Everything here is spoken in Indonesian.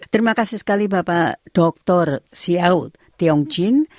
terima kasih sekali bapak doktor siao tiongjin